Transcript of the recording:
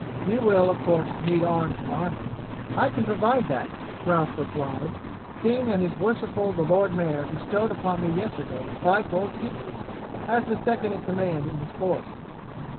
You will, of course, need arms and armour." "I can provide that," Ralph replied, "seeing that his worshipful the lord mayor bestowed upon me yesterday five gold pieces as the second in command in the sports.